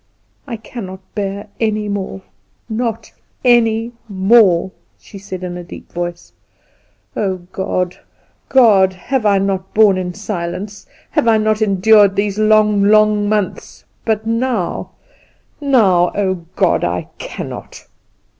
"I cannot bear any more, not any more," she said in a deep voice. "Oh, God, God! have I not borne in silence? Have I not endured these long, long months? But now, now, oh, God, I cannot!"